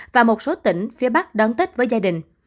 và một số tỉnh phía bắc đón tết với gia đình